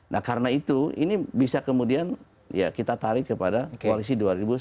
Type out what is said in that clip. nah karena itu ini bisa kemudian ya kita tarik kepada koalisi dua ribu sembilan belas